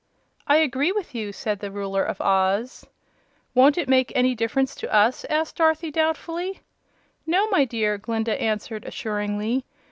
"I agree with you," said the Ruler of Oz. "Won't it make any difference to us?" asked Dorothy, doubtfully. "No, my dear," Glinda answered, assuringly.